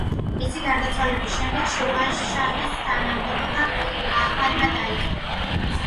მისი გარდაცვალების შემდეგ, შირვანშაჰის თანამდებობა აჰმადმა დაიკავა.